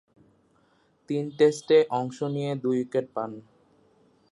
তিন টেস্টে অংশ নিয়ে দুই উইকেট পান।